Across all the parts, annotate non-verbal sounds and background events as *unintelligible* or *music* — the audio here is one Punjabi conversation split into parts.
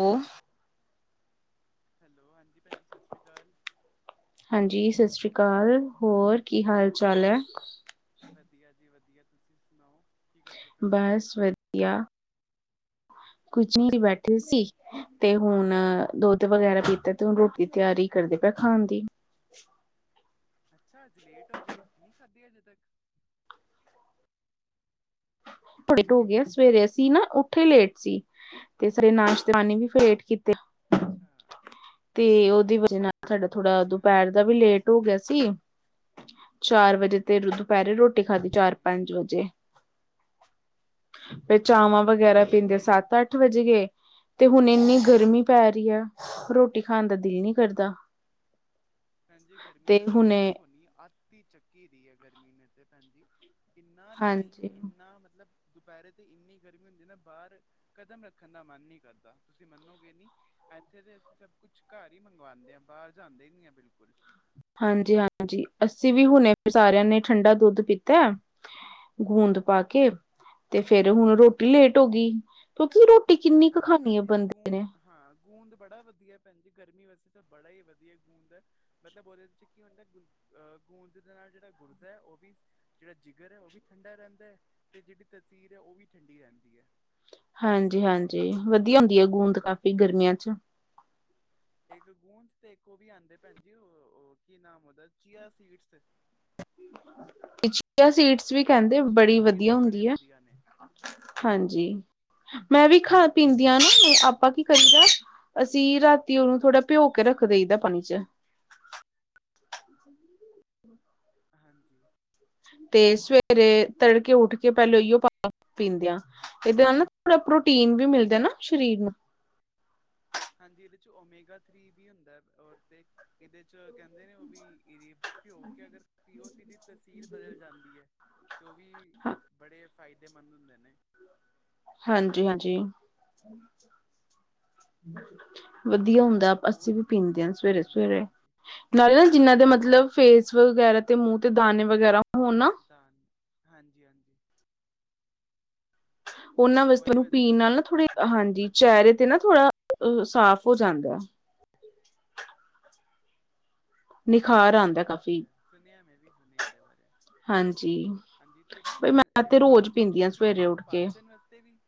ਉਹ ਹਾਂਜੀ ਭੈਣਜੀ ਸਤਿ ਸ਼੍ਰੀ ਅਕਾਲ। ਹਾਂਜੀ, ਸਤਿ ਸ੍ਰੀ ਅਕਾਲ ਹੋਰ ਕੀ ਹਾਲ ਚਾਲ ਹੈ। ਵਧੀਆ ਜੀ ਵਧੀਆ, ਤੁਸੀਂ ਸੁਣਾਓ। ਕੀ ਕਰਦੇ ਪਏ ਹੋ ਬਸ ਵਧੀਆ। ਕੁਝ ਨੀ ਬੈਠੇ ਸੀ। ਤੇ ਹੁਣ ਦੁੱਧ ਵਗੈਰਾ ਪੀਤਾ ਤੇ ਹੁਣ ਰੋਟੀ ਤਿਆਰੀ ਕਰਦੇ ਪਏ ਖਾਣ ਦੀ। ਅੱਛਾ, ਅੱਜ ਲੇਟ ਹੋ ਗਏ ਰੋਟੀ ਨੀ ਖਾਧੀ ਅਜੇ ਤੱਕ। ਬੜੇ ਲੇਟ ਹੋ ਗਿਆ, ਸਵੇਰੇ ਅਸੀਂ ਨਾ ਓਠੇ ਲੇਟ ਸੀ। ਤੇ ਸਾਰੇ ਨਾਸ਼ਤੇ ਪਾਨੀ ਵੀ ਫਿਰ ਲੇਟ ਕੀਤੇ। ਅੱਛਾ। ਤੇ ਉਹਦੀ ਵਜ੍ਹੇ ਨਾਲ ਸਾਡਾ ਥੋੜਾ ਹਾਂਜੀ ਦੁਪਹਿਰ ਹਾਂਜੀ ਦਾ ਵੀ ਲੇਟ ਹੋ ਗਿਆ ਸੀ, ਚਾਰ ਵਜੇ ਤੇ ਦੁਪਹਿਰੇ ਰੋਟੀ ਖਾਧੀ ਚਾਰ- ਹਾਂਜੀ ਪੰਜ ਵਜੇ। ਫਿਰ ਚਾਵਾਂ ਹਾਂਜੀ ਵਗੈਰਾ ਹਾਂਜੀ ਪੀਂਦੇ ਸੱਤ-ਅੱਠ। ਅੱਠ ਵੱਜ ਗਏ ਤੇ ਹੁਣ ਇੰਨੀ ਗਰਮੀ ਪੈ ਰਹੀ ਹੈ ਰੋਟੀ ਖਾਣ ਦਾ ਦਿਲ ਨਹੀਂ ਕਰਦਾ। - *inaudible* ਭੈਣ ਜੀ ਗਰਮੀ ਦਾ ਤੇ ਤਾਂ ਹੁਣੇ ਪੁੱਛੋ ਨੀ ਅੱਤ ਹੀ ਚੱਕੀ ਦੀ ਹੈ। ਗਰਮੀ ਨੇ ਤੇ ਭੈਣ ਜੀ। ਕਿੰਨਾ ਟਾਈਮ ਹਾਂਜੀ ਇੰਨਾ ਮਤਲਬ। ਦੁਪਹਿਰੇ ਤੇ ਇੰਨੀ ਗਰਮੀ ਹੁੰਦੀ ਨਾ ਬਾਹਰ ਕਦਮ ਰੱਖਣ ਦਾ ਮਨ ਨੀ ਕਰਦਾ ਤੁਸੀਂ ਮੰਨੋਗੇ ਨੀ ਇੱਥੇ ਤੇ ਅਸੀਂ ਸਭ ਕੁਛ ਘਰ ਹੀ ਮੰਗਵਾਉਂਦੇ ਹ ਬਾਹਰ ਜਾਂਦੇ ਹੀ ਨੀ ਆ ਬਿਲਕੁਲ। ਹਾਂਜੀ-ਹਾਂਜੀ, ਅੱਸੀ ਵੀ ਹੁਣੇ ਸਾਰਿਆਂ ਨੇ ਠੰਡਾ ਦੁੱਧ ਪੀਤਾ। ਗੋਂਦ ਪਾ ਕੇ, ਤੇ ਫੇਿਰ ਹੁਣ ਰੋਟੀ ਲੇਟ ਹੋ ਗਈ। ਕਿਉਂਕਿ ਰੋਟੀ ਕਿੰਨੀ ਕੁ ਖਾਨੀ ਹੈ ਬੰਦੇ ਨੇ। ਗੋਦ ਬੜਾ ਵਧੀਆ ਭੈਣੀ ਗਰਮੀ ਵਾਸਤੇ ਤਾਂ ਬੜਾ ਹੀ ਵਧੀਆ ਗੋਦ ਹੈ। ਮਤਲਬ ਉਹਦੇਦੇ ਚ ਕੀ ਹੁੰਦਾ ਅਹ ਗੂੰਦ ਕਤਿਰੇ ਨਾਲ ਜਿਹੜਾ ਗੁਰਦ ਹੈ ਉਹ ਵੀ ਜਿਹੜਾ ਜਿਗਰ ਹੈ ਉਹ ਵੀ ਠੰਡਾ ਰਹਿੰਦਾ ਹੈ ਤੇ ਜਿਹੜੀ ਤਸੀਰ ਹੈ ਉਹ ਵੀ ਠੰਡੀ ਰਹਿੰਦੀ ਹੈ। ਹਾਂਜੀ-ਹਾਂਜੀ, ਵਧੀਆ ਹੁੰਦੀ ਹੈ। ਗੋਦ ਕਾਫ਼ੀ ਗਰਮੀਆਂ ਚ। ਇੱਕ ਗੂੰਦ ਤੇ ਇੱਕ ਉਹ ਵੀ ਆਂਦੇ ਭੈਣ ਜੀ ਕੀ ਨਾਮ ਉਹਦਾ ਚੀਆ ਸੀਡਸ। ਇਹ ਚੀਆਂ ਸਿਡਜ਼ ਵੀ ਕਹਿੰਦੇ ਚੀਆ ਬੜੀ ਸੀਡਸ ਵਧੀਆ ਵੀ ਬੜੇ ਹੁੰਦੀ ਆ। ਵਧੀਆ ਨੇ ਹਾਂਜੀ, ਮੈਂ ਵੀ ਖਾ-ਪੀਂਦੀ ਹਾਂ ਨਾ ਆਪਾਂ ਕੀ ਹਾਂਜੀ ਕਰੀਦਾ? ਅਸੀਂ ਰਾਤੀ ਉਹਨੂੰ ਥੋੜ੍ਹਾ ਭਿਓ ਕੇ ਰੱਖਦੇਈਦਾ ਪਾਣੀ ਚ। ਹਾਂਜੀ। ਤੇ ਸਵੇਰੇ, ਤੜਕੇ ਉੱਠ ਕੇ ਪਹਿਲ ਇਓ ਪਾ ਪੀਂਦਿਆਂ। ਇਹਦੇ ਨਾਲ ਨਾ ਥੋੜ੍ਹਾ ਪ੍ਰੋਟੀਨ ਵੀ ਮਿਲਦਾ ਨਾ ਸਰੀਰ ਨੂੰ। ਹਾਂਜੀ ਇਹਦੇ ਚ ਓਮੇਗਾ ਥ੍ਰਰੀ ਵੀ ਹੁੰਦਾ ਔਰ ਤੇ ਇਹਦੇ ਚ ਕਹਿੰਦੇ ਨੇ ਉਹ ਵੀ ਇਹਦੀ ਪੇਯਓ ਕੇ ਅਗਰ ਪਿਓ ਤੇ ੲਦੀ ਤਸੀਰ ਬਦਲ ਜਾਂਦੀ ਔ ਤੇ ਉਹ ਵੀ ਹਾਂ ਬੜੇ ਫਾਇਦੇਮੰਦ ਹੁੰਦੇ ਨੇ ਹਾਂਜੀ ਹਾਂਜੀ ਚ। *unintelligible* ਵਦੀਆ ਹੁੰ ਅੱਸੀ ਹੋਰ ਵੀ ਪੀਂਦੇ ਆ ਸਵੇਰੇ ਹਾਂਜੀ ਸਵੇਰੇ ਹਾਂਜੀ ਨਾਲੇ ਨਾ ਸਾਡੇ ਇੱਥੇ ਜਿੰਨਾ ਵੀ ਦੇ ਮਤਲਬ ਫੇਸ ਵਗੈਰਾ ਤੇ ਮੂੰਹ ਤੇ ਦਾਨੇ ਵਗੈਰਾ ਹੋਨ ਨਾ ਹਾਂਜੀ-ਹਾਂਜੀ। ਉਹਨਾਂ ਵਸਤੇ ਉਹਦੇ ਨੂੰ ਵਾਸਤੇ ਪੀਨ ਨਾਲ ਉਹਨਾਂ ਨਾ ਥੋੜੇ ਵੀ ਹਾਂਜੀ ਵਧੀਆ ਚਿਹਰੇ ਤੇ ਹੁੰਦੀ ਹੈ ਨਾ ਥੋੜ੍ਹਾ ਅ ਸਾਫ਼ ਹੋ ਜਾਂਦਾ ਨਿਖਾਰ ਹਾਂਜੀ ਆਉਂਦਾ ਹਾਂਜੀ ਉਹ ਤੇ ਕਾਫ਼ੀ ਹੈ, ਸੁਣਿਆ ਮੈਂ ਵੀ ਸੁਣਿਆ ਇਹਦੇ ਬਾਰੇ ਹਾਂਜੀ ਹਾਂਜੀ ਤੇ ਨਾ ਬਈ ਮੈਂ ਇਹ ਤੇ ਰੋਜ਼ ਪਾਚਨ ਪੀਂਦੀ ਹਾਂ ਸ਼ਕਤੀ ਸਵੇਰੇ ਆਸਤੇ ਉੱਠ ਕੇ ਪਾਚਨ ਵਾਸਤੇ ਵੀ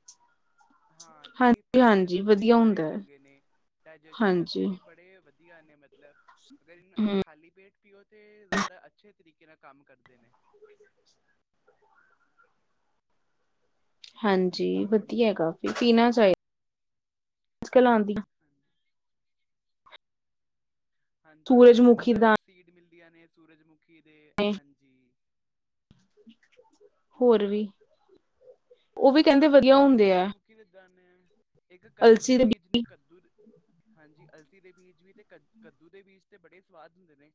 ਹਾਂ ਤੇ ਇਹ ਹਾਂਜੀ ਪਾਚਨ ਹਾਂਜੀ ਵਾਸਤੇ ਵੀ ਵਧੀਆ ਬੜੇ ਹੁੰਦਾ ਹੈ ਚੰਗੇ ਨੇ ਡਾਇਜੈਸ਼ਨ ਹਾਂਜੀ ਵਾਸਤੇ ਵੀ ਬੜੇ ਵ ਨੇ ਮਤਲਬ ਅਗਰ ਨਿ ਹਮ ਖਾਲੀ ਪੇਟ ਪਿੳ ਤੇ ਜ਼ਿਆਦਾ ਅੱਛੇ ਤਰੀਕੇ ਨਾਲ ਕੰਮ ਕਰਦੇ ਨੇ ਹਾਂਜੀ ਹੋਰ ਵਦੀਆ ਐ ਸੁਣਾਓ ਕਾਫੀ ਪੀਨਾ ਚਾਹੀਦਾ ਮੁਛਕਿਲ ਆਉਂਦੀਆ ਹਾਂਜੀ। ਹਾਂਜੀ ਉਹ ਸੂਰਜਮੁਖੀ ਸਨਫਲਾਵਰ ਦਾਣੇ ਸੀਡ ਮਿਲਦੀਆਂ ਨੇ ਸੂਰਜਮੁਖੀ ਦੇ ਹਾਂਜੀ ਹੋਰ ਹਾਂਜੀ, ਹਾਂਜੀ। ਵੀ ਉਹ ਵੀ ਕਹਿੰਦੇ ਵਧੀਆ ਹਾਂਜੀ ਇੱਕ ਹੁੰਦੇ ਆ ਸੂਰਜਮੁਖੀ ਦੇ ਦਾਨੇ ਆ ਇੱਕ ਕੱਦੂ ਦੇ ਬੀਜ ਨੇ ਕੱਦੂ ਹਾਂਜੀ ਅਲਸੀ ਦੇ ਬੀਜ ਵੀ ਤੇ ਕੱਦੂ ਦੇ ਬੀਜ ਤੇ ਬੜੇ ਸਵਾਦ ਹੁੰਦੇ ਨੇ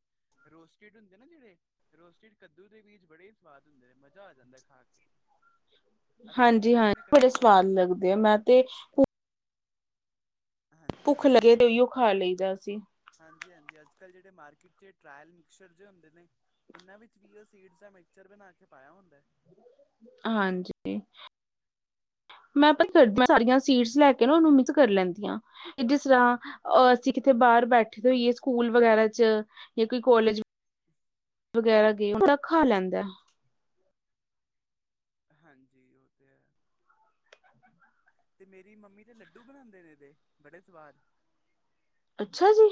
ਰੋਸਟਿਡ ਹੁੰਦੇ ਨਾ ਜਿਹੜੇ ਰੋਸਟਿਡ ਕੱਦੂ ਦੇ ਬਜ ਬੜੇ ਹੀ ਸਵਾਦ ਹੁੰਦੇ ਨੇ ਮਜ਼ਾ ਆ ਜਾਂਦਾ ਖਾ ਕੇ *inaudible* ਅਸੀਂ ਤੇ ਹਾਂਜੀ, ਕਿੰਨੇ ਕਿੰਨੇ ਹਾਂਜੀ ਬੜੇ ਕੱਚੇ ਖਾ ਸਵਾਦ ਲੈਂਦੇ ਲੱਗਦੇ ਆ ਮੈਂ ਤੇ ਹਾਂਜੀ ਭੁੱਖ ਲੱਗੇ ਤੇ ਉਹੀਓ ਖਾ ਲਈ ਦਾ ਅਸੀ ਹਾਂਜੀ, ਹਾਂਜੀ ਅੱਜ ਕੱਲ੍ਹ ਜਿਹੜੇ ਮਾਰਕੀਟ ਚ ਟ੍ਰਾਇਲ ਮਿਕਸਰ ਜੇ ਹੁੰਦੇ ਨੇ ਇਹਨਾਂ ਵਿੱਚ ਵੀ ਈਹੋ ਸੀਡਸ ਦਾ ਮਿਕਚਰ ਬਣਾ ਕੇ ਪਾਇਆ ਹੁੰਦਾ ਹਾਂਜੀ। ਮੈਂ ਪਤਾ ਕੀ ਕਰਦੀ ਆ ਸਾਰਿਆਂ ਸੀਡਸ ਲੈ ਕੇ ਨਾ ਉਹਨੂੰ ਮਿਕਸ ਕਰ ਲੈਂਦੀ ਆਂ ਜਿਸ ਤਰ੍ਹਾਂ ਅ ਅਸੀਂ ਕਿਥੇ ਬਾਹਰ ਬੈਠੇ ਦੇ ਹੋਈਏ ਸਕੂਲ ਵਗੈਰਾ ਚ ਜਾਂ ਕੋਈ ਕੋਲਜ ਹ *inaudible* ਵਗੈਰਾ ਗਏ ਹੋਨ ਤਾ ਖਾ ਲੈਂਦਾ। ਹਾਂਜੀ ਉਹ ਤੇ ਹੈ। ਤੇ ਮੇਰੀ ਮੰਮੀ ਤੇ ਲੱਡੂ ਬਨਾੰਦੇ ਨੇ ਏਦੇ ਬੜੇ ਸਵਾਦ ਅੱਛਾ ਜੀ।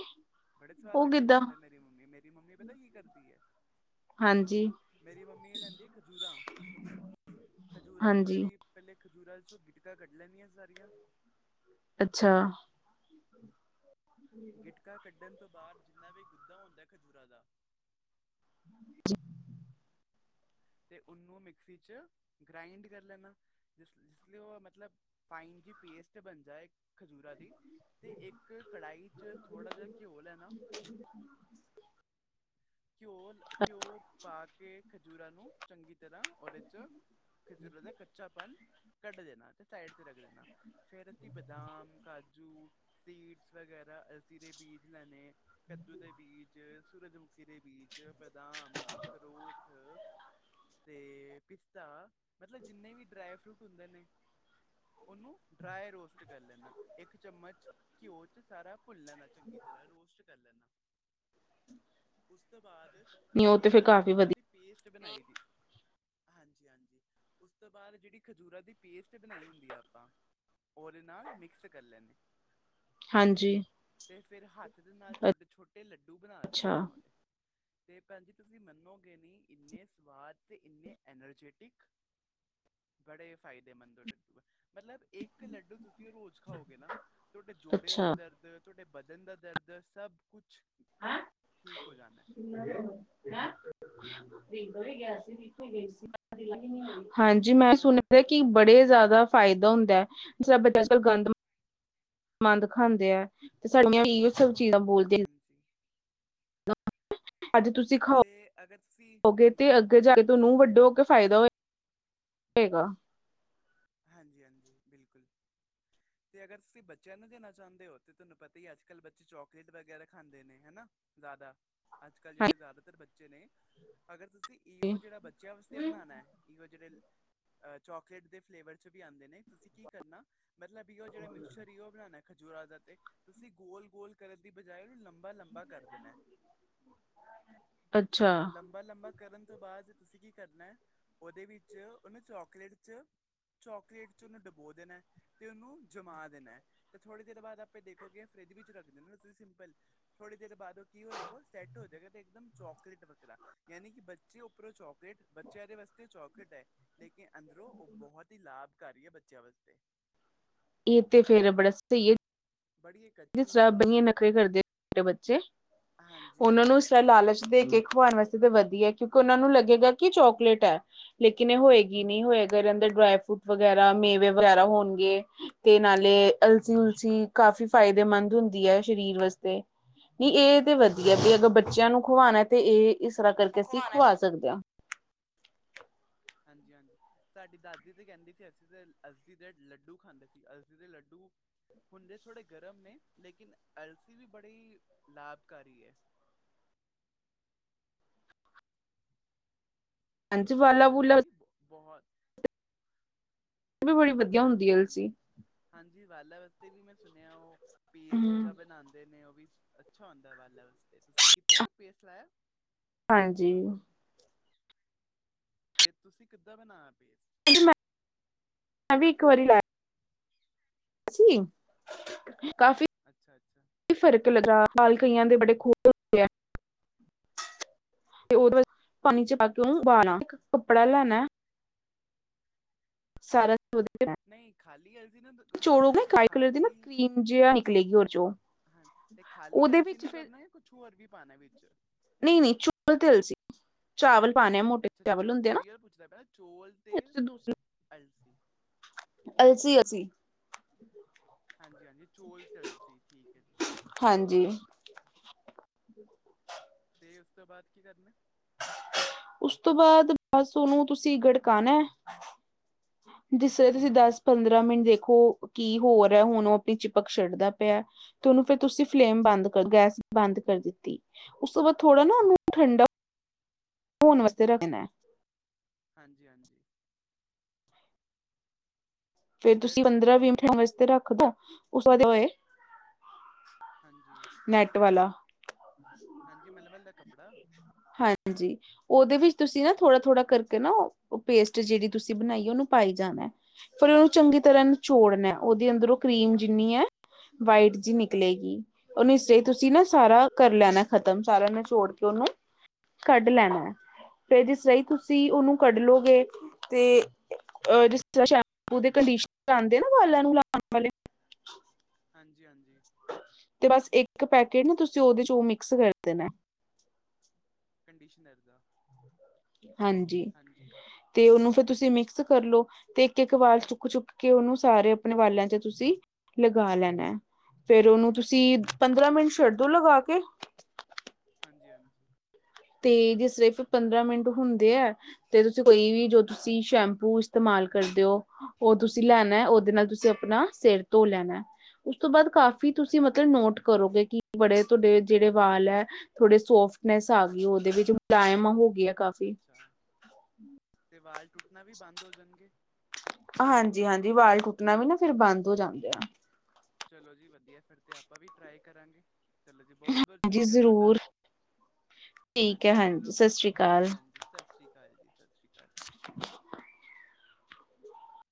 ਬੜੇ ਸਵਾਦ ਉਹ ਲੱਡੂ ਕਿੱਦਾਂ ਬਨਾੰਦੇ ਮੇਰੀ ਮੰਮੀ, ਮੇਰੀ ਮੰਮੀ ਪਤਾ ਕੀ ਕਰਦੀ ਏ ਹਾਂਜੀ ਮੇਰੀ ਮੰਮੀ ਇਹ ਲੈਂਦੀ ਏ ਖਜੂਰਾਂ, ਖਜੂਰਾਂ ਨੂੰ ਹਾਂਜੀ ਜੇਹੜੀ ਪਹਿਲੇ ਖਜੂਰਾ ਚੋਂ ਗਿਟਕਾਂ ਕੱਢ ਲੈਂਨੀਆਂ ਸਾਰੀਆਂ ਅੱਛਾ। ਗਿਟਕਾ ਕੱਢਣ ਤੋਂ ਬਾਅਦ ਜਿੰਨਾ ਵੀ ਗੁੱਦਾ ਹੁੰਦਾ ਖਜੂਰਾਂ ਦਾ *inaudible* ਤੇ ਉਹਨੂੰ ਮਿਕਸੀ ਚ ਗ੍ਰਾਇੰਡ ਕਰ ਲੈਣਾ ਜਿਸ-ਜਿਸ ਲਈ ਓ ਮਤਲਬ ਫਾਈਨ ਜੀ ਪੇਸਟ ਬਨ ਜਾਏ ਖਜੂਰਾਂ ਦੀ ਤੇ ਇੱਕ ਕੜਾਈ ਚ ਥੋੜਾ ਜਾ ਘਿਓ ਲੈਨਾ ਘਿਓ-ਘਿਓ ਪਾ ਕੇ ਖਜੂਰਾਂ ਨੂੰ ਚੰਗੀ ਤਰਾਂ ਔਰ ਏ ਚ, ਖਜੂਰਾਂ ਦਾ ਕ ਕੱਚਾਪਨ ਕੱਢ ਦੇਨਾ ਤੇ ਸਾਈਡ ਤੇ ਰੱਖ ਦੇਨਾ, ਫੇੇਰ ਅਸੀਂ ਬਦਾਮ, ਕਾਜੂ ਸੀਡਸ ਵਗੈਰਾ ਅਲਸੀ ਦੇ ਬੀਜ ਲੈਨੇ ਐ। ਕੱਦੂ ਦੇ ਬੀਜ, ਸੂਰਜਮੁਖੀ ਦੇ ਬੀਜ, ਬਦਾਮ, ਅਖਰੋਠ ਤੇ ਪਿਸਤਾ ਮਤਲਬ ਜਿੰਨੇ ਵੀ ਡਰਾਏ ਫਰੂਟ ਹੁੰਦੇ ਨੇ ਓਨੂੰ ਡਰਾਏ ਰੋਸਟ ਕਰ ਲੈਨਾ ਇੱਕ ਚਮਚ ਘਿਓ ਚ ਸਾਰਾ ਭੁੰਨ ਲੈਨਾ ਚੰਗੀ ਤਰਾਂ ਰੋਸਟ ਕਰ ਲੈਨਾ। ਉਸ ਤੋਂ ਬਾਦ ਨਹੀਂ ਉਹ ਜੇੜੀ ਤੇ ਫਿਰ ਅਸੀਂ ਕਾਫ਼ੀ ਖਜੂੂਰਾਂ ਦੀ ਵਧੀਆ ਪੇਸਟ ਬਨਾਈ ਦੀ ਹਾਂਜੀ-ਹਾਂਜੀ ਉਸ ਤੋਂ ਬਾਦ ਜੇੜੀ ਖਜੂਰਾਂ ਦੀ ਪੇਸਟ ਬਨਾਈ ਹੁੰਦੀ ਆ ਆਪਾਂ ਓਦੇ ਨਾਲ ਮਿਕਸ ਕਰ ਲੈਨੇ। ਹਾਂਜੀ ਤੇ ਫੇਰ ਹੱਥ ਦੇ ਨਾਲ ਛੋਟੇ-ਛੋਟੇ ਲੱਡੂ ਬਨਾ ਦੇਨੇ ਅੱਛਾ ਨੇੇ ਓਦੇ। ਤੇ ਭੈਨ ਜੀ ਤੁਸੀਂ ਮੰਨੋਗੇ ਨੀ ਏਨੇ ਸਵਾਦ ਤੇ ਏਨੇ ਐਨਰਜੈਟਿਕ ਬੜੇ ਫਾਇਦੇਮੰਦ ਓ ਲੱਡੂ ਆ, ਮਤਲਬ ਇੱਕ ਲੱਡੂ ਤੁ ਰੋਜ਼ ਖਾਓਗੇ ਨਾ ਤੁਆਡੇ ਜੋੜੇਆਂ ਦਾ ਅੱਛਾ ਦਰਦ ਤੁਆਡੇ ਬਦਨ ਦਾ ਦਰਦ ਸਬ ਕੁਛ ਠੀਕ ਹੋ ਜਾਨਾ। ਨਾ ਇਕੋ ਈ ਗਿਆ ਸੀ ਇਕੋ ਈ ਗਈ ਸੀ *unintelligible* ਲਾਈ ਨੀ ਹੋਈ ਹਾਂਜੀ ਮੈਂ ਔਰ ਸੁਨੇਆ ਦਾ ਕੀ ਤੁਸੀਂ ਬੜੇ ਸੁਣਾਓ ਜਾਦਾ ਫਾਇਦਾ ਹੁੰਦਾ ਸਬ ਦਰਅਸਲ ਗੰਦ ਮੰੰਦ ਖਾਂਦੇ ਐ ਤੇ ਸਾਡੀਆਂ ਏ ਸਭ ਚੀਜ਼ਾਂ ਬੋਲਦੇ ਹਾਂਜੀ। *unintelligible* ਅੱਜ ਤੁਸੀਂ ਤੇ ਅਗਰ ਤੁਸੀਂ, ਖਾਓਗੇ ਹਾਂਜੀ। ਤੇ ਅੱਗੇ ਜਾ ਕੇ ਤੁਆਨੂੰ ਵੱਡੇ ਹੋ ਕੇ ਫਾਇਦਾ ਹੋਏ ਗਾ। ਹਾਂਜੀ-ਹਾਂਜੀ ਬਿਲਕੁਲ ਤੇ ਅਗਰ ਤੁਸੀਂ ਬੱਚਿਆਂ ਨੂੰ ਦੇਨਾ ਚਾਂਦੇ ਹੋ ਤੇ ਤੁਆਨੂੰ ਪਤੈ ਈ ਅੱਜ-ਕੱਲ ਬੱਚੇ ਚੋਕਲੇਟ ਵਗੈਰਾ ਖਾਂਦੇ ਨੇ ਹਨਾ। ਜਾਦਾ। ਅੱਜ-ਕੱਲ ਜੇੜੇ ਜਾਦਾਤਰ ਬੱਚੇ ਨੇ ਅਗਰ ਤੁਸੀਂ ਈਓ ਜੇੜਾ ਬੱਚੇਆਂ ਵਾਸਤੇ ਬਨਾਨਾ- ਈਓ ਜੇੜੇ ਚੋਕਲੇਟ ਦੇ ਫਲੇਵਰ ਚ ਵੀ ਆਂਦੇ ਨੇ ਤੁਸੀਂ ਕੀ ਕਰਨਾ ਮਤਲਬ ਵੀ ਓ ਜੇੜਾ ਮਿਕਸਚਰ ਈਓ ਬਨਾਨਾ ਖਜੂਰਾਂ ਦਾ ਤੇ ਤੁਸੀਂ ਗੋਲ-ਗੋਲ ਕਰਨ ਦੀ ਬਜਾਏ ਏਨੂੰ ਲੰਬਾ-ਲੰਬਾ ਕਰ ਦੇਨਾ। ਅੱਛਾ ਲੰਬਾ-ਲੰਬਾ ਕਰਨ ਤੋਂ ਬਾਦ ਤੁਸੀਂ ਕੀ ਕਰਨਾ, ਓਦੇ ਵਿੱਚ ਓਨੂੰ ਚੋਕਲੇਟ ਚ ਚੋਕਲੇਟ ਚ ਓਨੂੰ ਡਬੋ ਦੇਨਾ। ਤੇ ਓਨੂੰ ਜਮਾ ਦੇਨਾ ਤੇ ਥੋੜੀ ਦੇਰ ਬਾਦ ਆਪੇ ਦੇਖੋਗੇ ਫਰਿੱਜ ਵਿੱਚ ਰੱਖ ਦੇਨਾ ਤੁਸੀਂ ਸਿੰਪਲ ਥੋੜੀ ਦੇਰ ਬਾਦ ਓ ਕੀ ਹੋਏਗਾ ਓ ਸੈਟ ਹੋ ਜੇਗਾ ਤੇ ਇੱਕਦਮ ਚੋਕਲੇਟ ਵਗਰਾ ਯਾਨੀ ਕੇ ਬੱਚੇ ਉੱਪਰੋਂ ਚੋਕਲੇਟ ਬੱਚੇਆਂ ਦੇ ਵਾਸਤੇ ਚੋਕਲੇਟ ਐ ਲੇਕਿਨ ਅੰਦਰੋਂ ਓ ਬਹੋਤ ਬੋਤੀ ਲਾਬਕਾਰੀ ਐ ਬੱਚੇਆਂ ਵਾਸਤੇ। ਏ ਤੇ ਫੇਰ ਬੜਾ ਸਈ ਏ। ਬੜੀ ਏ ਏ ਸਵਾਦ ਬਨੀ ਏ ਨਖ਼ਰੇ ਕਰਦੇ ਮੇਰੇ ਬੱਚੇ। ਹਾਂਜੀ ਓਨਾਂ ਨੂੰ ਹਾਂਜੀ ਇਸਦਾ ਹਾਂਜੀ ਲਾਲਚ ਦੇ ਬਿਲਕੁਲ ਕੇ ਬਿਲਕੁਲ ਖਵਾਨਾ ਕਿਓਂਕਿ ਵਦੀਆ ਕਿਉਂਕਿ ਓਨਾਂ ਨੂੰ ਲੱਗੇਗਾ ਕੇ ਚੋਕਲੇਟ ਐ। ਹਾਂਜੀ ਲੇਕਿਨ ਏ ਹੋਏਗੀ ਨੀ ਹੋਏਗਾ ਏਦੇ ਅੰਦਰ ਡਰਾਏ ਫਰੂਟ ਵਗੈਰਾ, ਮੇਵੇ ਵਗੈਰਾ ਹੋਨਗੇ ਤੇ ਨਾਲੇ ਅਲਸੀ-ਉਲਸੀ ਕਾਫ਼ੀ ਫਾਇਦੇਮੰਦ ਹੁੰਦੀ ਹੈ ਸਰੀਰ ਵਾਸਤੇ, ਨਹੀਂ ਇਹ ਹਾਂਜੀ ਤੇ ਹਾਂਜੀ ਵਧੀਆਂ ਤੁਹੀ ਅਗਰ ਬੱਚਿਆਂ ਨੂੰ ਖਵਾਣਾ। ਤੇ ਇਹ ਇਸ ਰਾ ਕਰਕੇ ਅਸੀਂ ਖਵਾਉਣਾ ਖਵਾ ਸਕਦੇ ਆ। ਹਾਂਜੀ- ਹਾਂਜੀ। ਸਾਡੀ ਦਾਦੀ ਤੇ ਕਹਿੰਦੀ ਸੀ ਅਸੀਂ ਤੇ ਅਲਸੀ ਦੇ ਲੱਡੂ ਖਾਂਦੇ ਸੀ ਅਲਸੀ ਦੇ ਲੱਡੂ। ਹੁੰਦੇ ਥੋੜੇ ਗਰਮ ਨੇ, ਲੇਕਿਨ ਅਲਸੀ ਵੀ ਬੜੀ ਲਾਭਕਾਰੀ ਐ। ਹਾਂਜੀ ਵਾਲਾ ਵੂਲਾ ਅਲਸੀ ਬਹੁਤ। ਵੀ ਬੜੀ ਵਧੀਆ ਹੁੰਦੀ ਹਾਂਜੀ, ਹੈ ਹਾਂਜ- ਅਲਸੀ। ਹਾਂਜੀ ਵਾਲਾਂ ਵਾਸਤੇ ਵੀ ਮੈਂ ਸੁਣਿਆ ਉਹ। ਪੇਸਟ ਹਮ ਜਾ ਬਣਾਂਦੇ ਨੇ ਉਹ ਵੀ ਅੱਛਾ ਹੁੰਦਾ ਵਾਲਾਂ ਵਾਸਤੇ, ਤੁਸੀਂ ਕੀਤਾਂ ਪੇਸਟ ਲਾਇਆਂ। ਹਾਂਜੀ। ਫੇਰ ਤੁਸੀਂ ਕਿੱਦਾਂ ਬਣਾਇਆ ਪੇਸਟ? *unintelligible* ਮੈ-ਮੈਂ ਵੀ ਇੱਕ ਵਾਰੀ ਲਾਇਆ। ਸੀਂ। ਅੱਛਾ, ਅੱਛਾ- ਅੱਛਾ। ਕਾਫ਼ੀ ਫ਼ਰਕ ਲੱਗਾ, ਵਾਲ ਕਈਆਂ ਦੇ ਬੜੇ ਖੂਬ ਤੇ ਉਹਦੇ ਬਾਅਦ ਪਾਣੀ 'ਚ ਪਾ ਕੇ ਉਹਨੂੰ ਉਬਾਣਾ ਇੱਕ ਕੱਪੜਾ ਲੈਣਾ। ਸਾਰਾ ਤੇ ਉਹਦੇ ਨਹੀਂ ਖਾਲੀ ਅਲਸੀ ਨੂੰ ਅ ਖਾਲੀ। ਜਿਆ ਨਿਕਲੇਗੀ ਉਹਦੇ 'ਚ। ਹਾਂਜੀ, ਤੇ ਖਾਲੀ ਅਲਸੀ ਨੂੰ ਕਰਨਾ ਜਾਂ ਕੁਛ ਹੋਰ ਵੀ ਪਾਣਾ ਏ ਵਿੱਚ। ਨਹੀਂ- ਨਹੀਂ ਚੌਲ਼ ਤੇ ਅਲਸੀ। ਚਾਵਲ ਪਾਣੇ ਆ ਮੋਟੇ ਅੱਛਾ ਚਾਵਲ ਚੋ ਹੁੰਦੇ ਆ ਨਾ, ਉਹੀ ਗੱਲ ਪੁੱਛਦਾ ਪਿਆ ਚੋਲ ਔਰ ਤੇ ਤੁਸੀਂ ਦੂਸਰੇ ਅਲਸੀ ਅਲਸੀ ਅਸੀਂ। ਹਾਂਜੀ! ਹਾਂਜੀ! ਚੋਲ ਤਿਲਸੀ ਠੀਕ ਹੈ ਜੀ! ਹਾਂਜੀ! ਤੇ ਉਸ ਤੋਂ ਬਾਅਦ ਕੀ ਕਰਨਾ? ਉਸ ਤੋਂ ਬਾਅਦ ਬਸ ਓਨੂੰ ਤੁਸੀਂ ਗੜਕਾਨਾ। ਜਿਸ ਤੁਸੀਂ ਹਾਂਜੀ ਦੱਸ ਪੰਦਰਾਂ ਮਿੰਟ ਦੇਖੋ ਕੀ ਹੋ ਰਿਹਾ, ਹੁਣ ਉਹ ਆਪਣੀ ਚਿਪਕ ਛੱਡਦਾ ਪੇਆ ਤੇ ਓਨੂੰ ਫਿਰ ਤੁਸੀਂ ਫਲੇਮ ਬੰਦ ਕਰ ਗੈਸ ਬੰਦ ਕਰ ਦਿੱਤੀ, ਉਸ ਤੋਂ ਬਾਅਦ ਥੋੜਾ ਨਾ ਓਨੂੰ ਠੰਡਾ ਹੁਣ ਵਾਸਤੇ ਰੱਖਣਾ। ਹਾਂਜੀ, ਹਾਂਜੀ। ਫੇਰ ਫਿਰ ਤੁਸੀਂ ਠੰਡਾ ਪੰਦਰਾਂ, ਹੋਣ ਵੀਹ ਤੋਂ ਮਿੰਟ ਬਾਅਦ ਵਾਸਤੇ ਰੱਖਦਾ ਉਸ ਬਾਦ ਹੋਏ ਹਾਂਜੀ। ਨੈੱਟ ਵਾਲਾ। ਹਾਂਜੀ ਮਲ -ਮਲ ਦਾ ਕੱਪੜਾ ਹਾਂਜੀ। ਓਦੇ ਵਿੱਚ ਤੁਸੀਂ ਨਾ ਥੋੜ੍ਹਾ- ਥੋੜ੍ਹਾ ਕਰਕੇ ਨਾ ਓ ਪੇਸਟ ਜੇੜੀ ਤੁਸੀਂ ਬਣਾਈ ਆ ਓਨੂੰ ਪਾਈ ਜਾਣਾ। ਫੇਰ ਓਨੂੰ ਚੰਗੀ ਤਰ੍ਹਾਂ ਨਚੋੜਨਾ, ਓਦੇ ਅੰਦਰੋਂ ਕਰੀਮ ਜਿੰਨੀ ਐ ਵਾਈਟ ਜੀ ਨਿਕਲੇਗੀ ਓਨੂੰ ਇਸੇ ਤੁਸੀਂ ਨਾ ਹਾਂਜੀ ਹਾਂਜੀ ਸਾਰਾ ਕਰ ਲੈਣਾ ਖ਼ਤਮ ਸਾਰਾ ਨਿਚੋੜ ਕੇ ਓਨੂੰ ਕੱਢ ਲੈਣਾ ਆ, ਫੇਰ ਜਿਸ ਲਈ ਹਾਂਜੀ ਤੁਸੀਂ ਹਾਂਜੀ ਓਨੂੰ ਕੱਢ ਲੋਗੇ ਤੇ ਅ ਜਿਸ ਤਰ੍ਹਾਂ ਸ਼ੈਂਪੂ ਦੇ ਕੰਡੀਸ਼ਨਰ ਆਉਂਦੇ ਨਾ ਵਾਲਾਂ ਨੂੰ ਲਾਣ ਵਾਲੇ ਹਾਂਜੀ, ਹਾਂਜੀ। ਤੇ ਬਸ ਇੱਕ ਪੈਕੇਟ ਨਾ ਤੁਸੀਂ ਓਦੇ ਚ ਓ ਮਿਕਸ ਕਰ ਦੇਣਾ। ਕੰਡੀਸ਼ਨਰ ਦਾ! ਹਾਂਜੀ। ਹਾਂਜੀ। ਤੇ ਉਹਨੂੰ ਫੇਰ ਤੁਸੀਂ ਮਿਕਸ ਕਰ ਲਓ। ਤੇ ਇੱਕ, ਇੱਕ ਵਾਲ ਚੁੱਕ ਚੁੱਕ ਕੇ ਉਹਨੂੰ ਸਾਰੇ ਆਪਣੇ ਵਾਲਾਂ ਚ ਤੁਸੀਂ ਲਗਾ ਲੈਣਾ ਫੇਰ ਉਹਨੂੰ ਤੁਸੀਂ ਪੰਦਰਾਂ ਹਾਂਜੀ ਮਿੰਟ ਛੱਡ ਦੋ ਲਗਾ ਕੇ' ਹਾਂਜੀ, ਹਾਂਜੀ। ਤੇ ਜੇ ਸਿਰਫ ਪੰਦਰਾਂ ਮਿੰਟ ਹੁੰਦੇ ਏ ਤੇ ਤੁਸੀਂ ਕੋਈ ਵੀ ਜੋ ਤੁਸੀਂ ਸ਼ੈਂਪੂ ਇਸਤੇਮਾਲ ਕਰਦੇ ਓ ਉਹ ਤੁਸੀਂ ਲੈਣਾ ਹੈ ਉਹਦੇ ਨਾਲ ਤੁਸੀਂ ਆਪਣਾ ਸਿਰ ਧੋ ਲੈਣਾ ਉਸ ਤੋਂ ਬਾਅਦ ਕਾਫੀ, ਕੀ ਤੁਸੀਂ ਮਤਲਬ ਅੱਛਾ ਨੋਟ ਕਰੋਗੇ ਕਿ ਬੜੇ ਤੁਹਾਡੇ ਜਿਹੜੇ ਵਾਲ ਹੈ ਥੋੜੇ ਸੋਫਟਨੈਸ ਆ ਗਈ। ਉਹਦੇ ਵਿੱਚ ਮੁਲਾਇਮ ਹੋ ਗਏ ਆ। ਅੱਛਾ ਤੇ ਵਾਲ ਟੁੱਟਣਾ ਵੀ ਬੰਦ ਹੋ ਜਾਣਗੇ। ਹਾਂਜੀ, ਹਾਂਜੀ ਵਾਲ ਟੁੱਟਣਾ ਵੀ ਨਾ ਫਿਰ ਬੰਦ ਹੋ ਜਾਂਦੇ ਆ। ਚਲੋ ਜੀ ਵਧੀਆ ਫਿਰ ਤੇ ਆਪਾਂ ਵੀ ਟਰਾਈ ਕਰਾਂਗੇ, ਚਲੋ ਜੀ ਬਹੁਤ -ਬਹੁਤ ਜੀ ਸ਼ੁਕਰੀਆ ਤੁਹਾਡਾ। ਜ਼ਰੂਰ ਠੀਕ ਹੈ ਹਾਂਜੀ ਚਲੋ ਸਤਿ ਸ਼੍ਰੀ ਅਕਾਲ ਜੀ ਹਾਂਜੀ, ਸਤਿ ਸ੍ਰੀ ਅਕਾਲ ਜੀ, ਸਤਿ ਸ੍ਰੀ ਅਕਾਲ। *unintelligible*